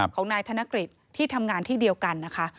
ของนายธนกฤษที่ทำงานที่เดียวกันนะคะ